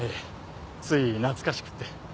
つい懐かしくって。